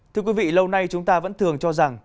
thưa quý vị lâu nay chúng ta vẫn thường cho rằng